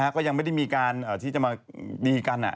ก็ยังไม่ได้มีการที่จะมาดีกัน